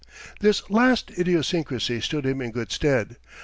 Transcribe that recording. This last idiosyncrasy stood him in good stead.